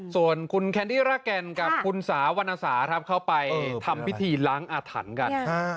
ส่วนคุณแคนดี้ราแก่นกับคุณสาวรรณสาครับเขาไปทำพิธีล้างอาถรรพ์กัน